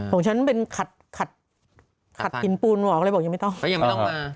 ของฉันเป็นขัดขัดหินปูนบอกเลยบอกยังไม่ต้องยังไม่ต้องมา